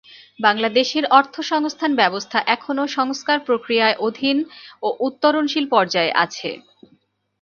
বাংলাদেশের অর্থসংস্থান ব্যবস্থা এখনও সংস্কার প্রক্রিয়ার অধীন ও উত্তরণশীল পর্যায়ে আছে।